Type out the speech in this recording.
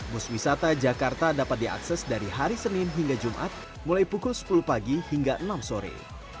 bus wisata jakarta dapat diakses dari hari senin hingga jumat mulai pukul sepuluh pagi hingga enam sore